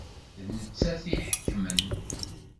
D nettat i iḥekmen.